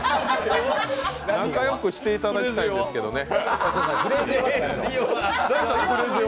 仲良くしていただきたいんですけどね。